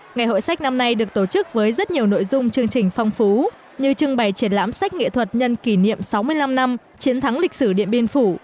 ngày hội sách năm nay được tổ chức với rất nhiều nội dung chương trình phong phú như trưng bày triển lãm sách nghệ thuật nhân kỷ niệm sáu mươi năm năm chiến thắng lịch sử điện biên phủ